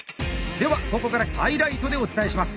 ではここからハイライトでお伝えします。